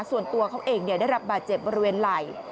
ส่วนตัวเขาเองได้รับบาดเจ็บบริเวณไหล่